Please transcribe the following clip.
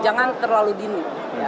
jangan terlalu dini